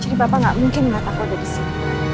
jadi papa gak mungkin melihat aku ada disini